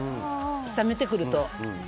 冷めてくると。